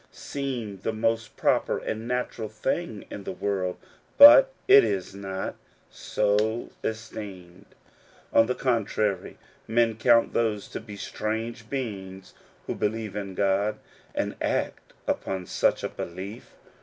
seem the most proper and natural thing in the world ; but it is not so esteemed : on the contrary^ men count those to be strange beings who believe in God, and act upon such a belief.